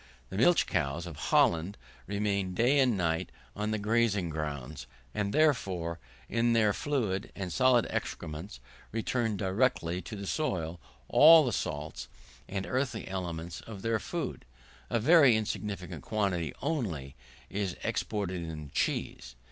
The milch cows of Holland remain day and night on the grazing grounds, and therefore, in their fluid and solid excrements return directly to the soil all the salts and earthy elements of their food: a very insignificant quantity only is exported in the cheese.